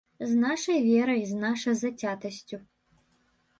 З нашай верай, з нашай зацятасцю.